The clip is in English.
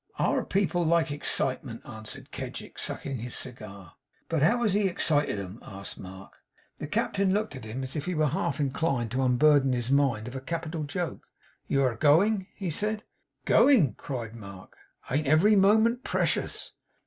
'Our people like ex citement,' answered Kedgick, sucking his cigar. 'But how has he excited 'em?' asked Mark. The Captain looked at him as if he were half inclined to unburden his mind of a capital joke. 'You air a going?' he said. 'Going!' cried Mark. 'Ain't every moment precious?